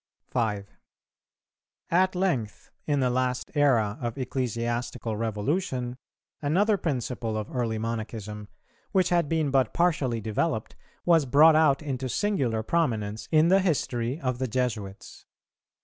5. At length, in the last era of ecclesiastical revolution, another principle of early Monachism, which had been but partially developed, was brought out into singular prominence in the history of the Jesuits.